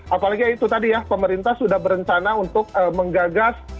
apalagi itu tadi ya pemerintah sudah berencana untuk menggagas